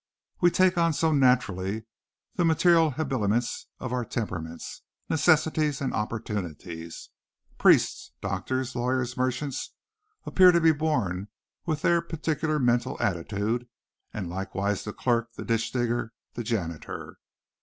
We take on so naturally the material habiliments of our temperaments, necessities and opportunities. Priests, doctors, lawyers, merchants, appear to be born with their particular mental attitude and likewise the clerk, the ditch digger, the janitor.